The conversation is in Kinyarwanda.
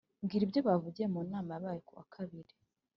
Bwira ibyo bavugiye mu nama yabaye kuwa kabiri